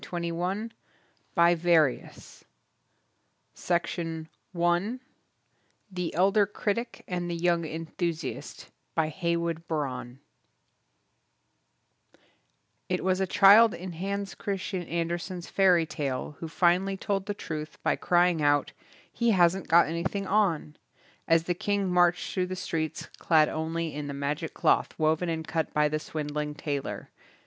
LIII, NO. 1 THE BQDKMAN THE ELDER CRITIC AND THE YOUNG ENTHUSIAST By Heywood Broun IT was a child in Hans Christian An dersen's fairy tale who finally told the truth by crying out, "He hasn't got anything on", as the king marched through the streets clad only in the magic cloth woven and cut by the swindling tailor.